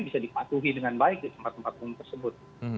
bisa dipatuhi dengan baik di tempat tempat umum tersebut